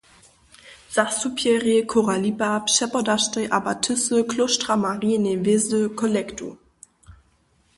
Zastupjerjej chóra Lipa přepodaštaj abatisy klóštra Marijineje hwězdy kolektu.